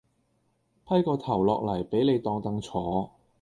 批個頭落嚟俾你當櫈坐